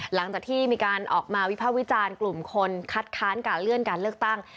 หลังจากที่มีการออกมาวิภาควิจารณ์กลุ่มคนคัดค้านการเลื่อนการเลือกตั้ง